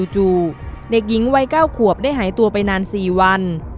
เด็กหญิงวัย๙ขวบได้หายตัวไปนาน๔วัน